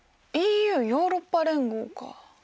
ＥＵヨーロッパ連合か。